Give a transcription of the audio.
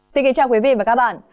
xin kính chào quý vị và các bạn